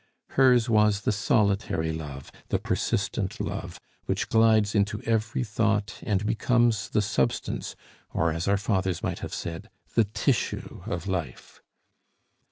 Hers was the solitary love, the persistent love, which glides into every thought and becomes the substance, or, as our fathers might have said, the tissue of life.